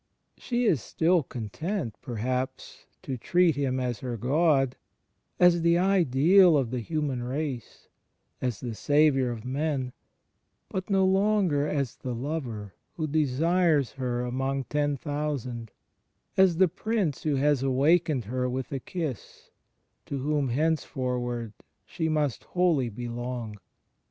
She is still content, perhaps, to treat Him as her God, as the ideal of the human race, as the Saviour of men; but no longer as the Lover who desires her among ten thousand, as the Prince who has awakened her with a kiss, to whom, henceforward she must wholly belong.